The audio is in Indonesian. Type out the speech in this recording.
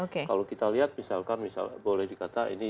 kalau kita lihat misalkan boleh dikata ini